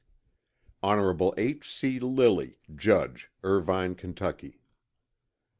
Hon. H. C. Lilly, Judge, Irvine, Ky.